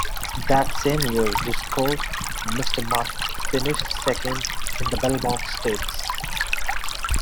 That same year, his colt Mr. Mutt finished second in the Belmont Stakes.